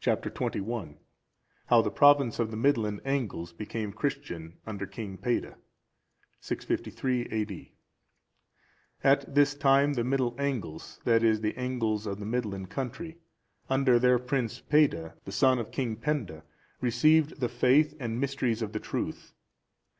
Chap. XXI. How the province of the Midland Angles became Christian under King Peada. [653 A.D.] At this time, the Middle Angles, that is, the Angles of the Midland country,(400) under their Prince Peada, the son of King Penda, received the faith and mysteries of the truth.